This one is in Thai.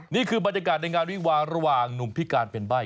นี่คือบรรยากาศในงานวิวาระหว่างหนุ่มพิการเป็นใบ้